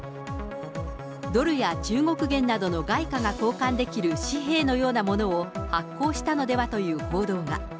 ドルや中国元などの外貨が交換できる紙幣のようなものを発行したのではという報道が。